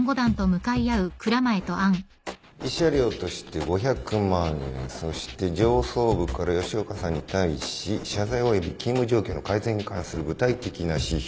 慰謝料として５００万円そして上層部から吉岡さんに対し謝罪および勤務状況の改善に関する具体的な指標。